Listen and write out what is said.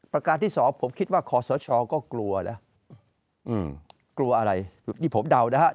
ประการที่สองผมคิดว่าคอสชก็กลัวนะกลัวอะไรนี่ผมเดานะฮะ